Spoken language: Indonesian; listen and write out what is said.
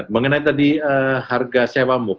mengenai tadi harga sewa mook